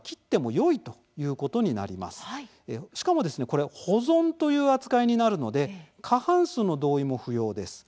これ保存という扱いになるので過半数の同意も不要です。